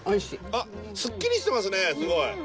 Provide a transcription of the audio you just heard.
あっすっきりしてますねすごい。